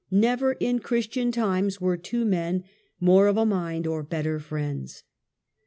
Never in Christian times were two men more of a mind or better friends."